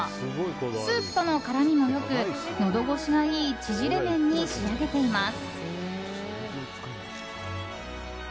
スープとの絡みも良くのど越しのいい縮れ麺に仕上げています。